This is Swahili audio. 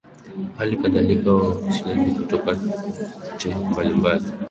hali kadhalika wawakilishi kutoka nchi mbalimbali